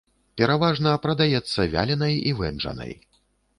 Пераважна прадаецца вяленай і вэнджанай.